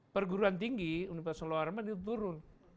perguruan tinggi universitas nusantara itu turun